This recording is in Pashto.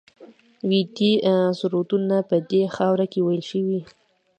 ویدي سرودونه په دې خاوره کې ویل شوي